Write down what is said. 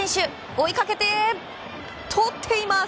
追いかけて、とっています！